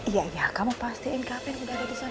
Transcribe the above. iya iya kamu pastikan gafin udah ada disana